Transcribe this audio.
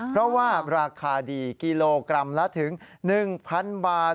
เพราะว่าราคาดีกิโลกรัมละถึง๑๐๐๐บาท